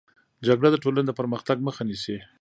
جګړه د ټولني د پرمختګ مخه نيسي.